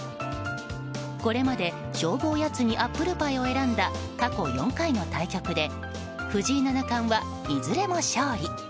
これまで、勝負おやつにアップルパイを選んだ過去４回の対局で藤井七冠はいずれも勝利。